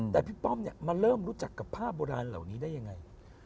แต่พี่ป้อมเนี่ยมาเริ่มรู้จักกับผ้าโบราณเหล่านี้ได้ยังไง